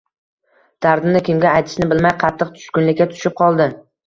Dardini kimga aytishni bilmay qattiq tushkunlikka tushib qoldi